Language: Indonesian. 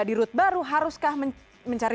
di rut baru haruskah mencari